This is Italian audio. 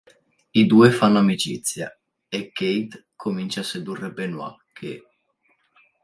I due fanno amicizia e Kate comincia a sedurre Benoit che…